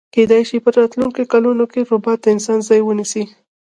کیدای شی په راتلونکي کلونو کی ربات د انسان ځای ونیسي